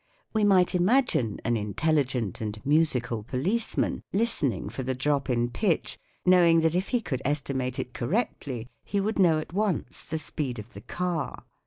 We might imagine an intelligent and musical policeman listening for the drop in pitch, knowing that if he could estimate it correctly he would know at once the speed of the car.